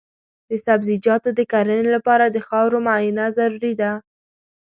د سبزیجاتو د کرنې لپاره د خاورو معاینه ضروري ده.